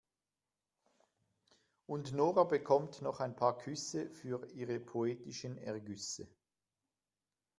Und Nora bekommt noch ein paar Küsse für ihre poetischen Ergüsse.